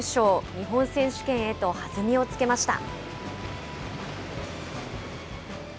日本選手権へと弾みをつけました。